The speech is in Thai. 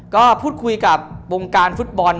ก็พูดคุยกับวงการฟุตบอล